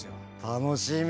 楽しみ！